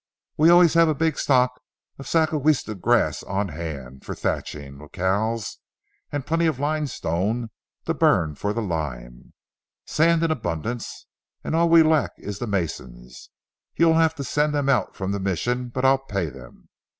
We always have a big stock of zacahuiste grass on hand for thatching jacals, plenty of limestone to burn for the lime, sand in abundance, and all we lack is the masons. You'll have to send them out from the Mission, but I'll pay them.